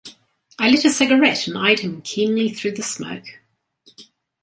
I lit a cigarette, and eyed him keenly through the smoke.